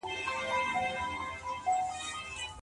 د سړي سر عايد به په راتلونکي کي زيات سي.